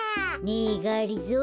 ねえがりぞー。